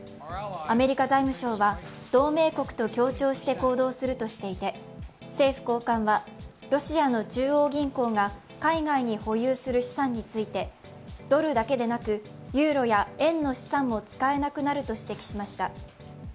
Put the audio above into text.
アメリカ財務省は同盟国と協調して行動するとしていて、政府高官は、ロシアの中央銀行が海外に保有する資産について、ドルだけでなくユーロや円の資産も使えなくなると指摘しました。